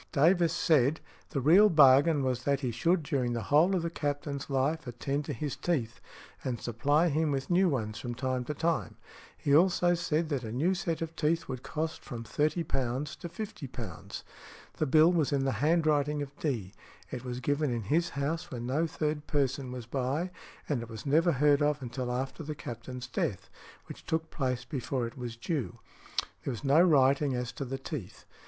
Davis said, the real bargain was that he should during the whole of the Captain's life attend to his teeth, and supply him with new ones from time to time. He also said that a new set of teeth would cost from £30 to £50. The bill was in the handwriting of D.; it was given in his house when no third person was by, and it was never heard of until after the captain's death, which took place before it was due. There was no writing as to the teeth.